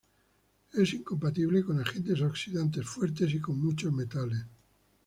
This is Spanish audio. Es incompatible con agentes oxidantes fuertes y con muchos metales.